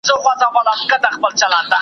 ډېر ویل د قران ښه دي